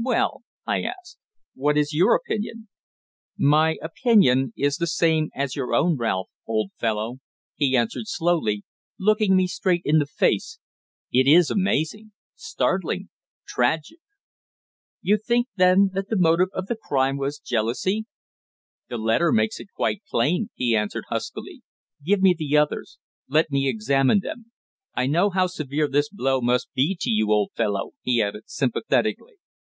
"Well?" I asked. "What is your opinion?" "My opinion is the same as your own, Ralph, old fellow," he answered slowly, looking me straight in the face. "It is amazing startling tragic." "You think, then, that the motive of the crime was jealousy?" "The letter makes it quite plain," he answered huskily. "Give me the others. Let me examine them. I know how severe this blow must be to you, old fellow," he added, sympathetically.